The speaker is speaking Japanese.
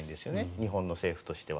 日本の政府としては。